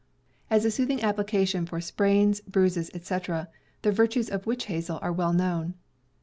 As a soothing application for sprains, bruises, etc., the virtues of witch hazel are well known.